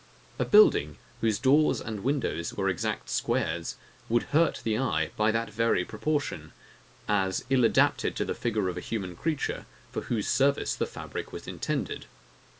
A building, whose doors and windows were exact squares, would hurt the eye by that very proportion; as ill adapted to the figure of a human creature, for whose service the fabric was intended.